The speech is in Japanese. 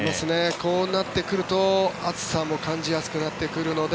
こうなってくると暑さも感じやすくなってくるので。